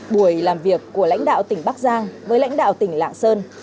buổi làm việc của lãnh đạo tỉnh bắc giang với lãnh đạo tỉnh lạng sơn